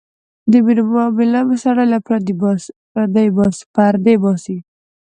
د مینې معامله سړی له پردې باسي.